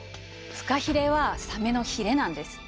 フカヒレはサメのヒレなんです。